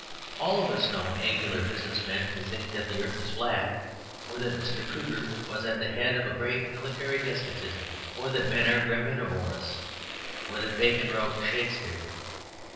All of us know angular business men who think that the earth is flat, or that Mr. Kruger was at the head of a great military despotism, or that men are graminivorous, or that Bacon wrote Shakespeare.